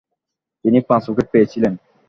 তিনি পাঁচ উইকেট পেয়েছিলেন।